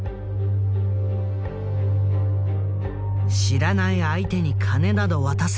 知らない相手に金など渡せない。